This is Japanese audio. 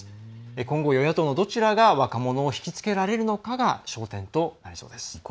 今後、与野党のどちらが若者をひきつけられるのかが焦点となりそうです。